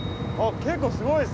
結構すごいですね。